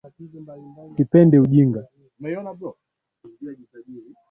Sipendi ujinga